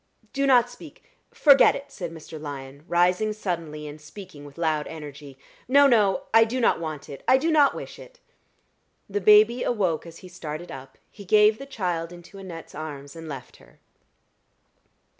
"Do not speak forget it," said Mr. Lyon, rising suddenly and speaking with loud energy. "No, no I do not want it I do not wish it." The baby awoke as he started up; he gave the child into Annette's arms, and left her.